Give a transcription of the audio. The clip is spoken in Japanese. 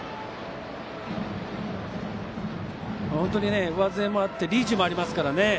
本当、上背もあってリーチもありますからね。